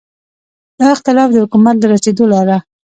دا اختلاف د حکومت ته رسېدو لاره ده.